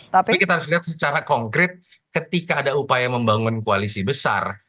tapi kita harus lihat secara konkret ketika ada upaya membangun koalisi besar